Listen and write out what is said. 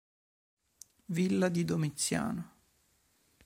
Villa di Domiziano